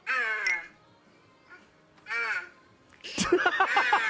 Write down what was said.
ハハハハ！